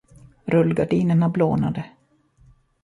Rullgardinerna blånade.